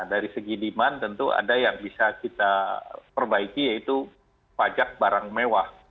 dari segi demand tentu ada yang bisa kita perbaiki yaitu pajak barang mewah